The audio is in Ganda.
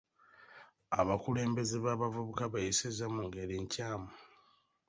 Abakulembeze b'abavubuka beeyisizza mu ngeri nkyamu.